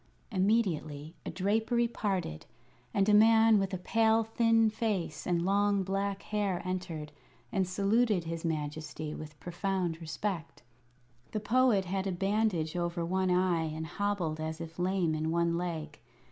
Immediately a drapery parted, and a man with a pale, thin face and long black hair entered and saluted his Majesty with profound respect. The Poet had a bandage over one eye and hobbled as if lame in one leg.